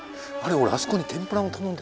俺あそこに天ぷらも頼んで。